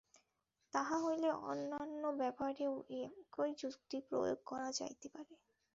তাহা হইলে অন্যান্য ব্যাপারেও একই যুক্তি প্রয়োগ করা যাইতে পারে।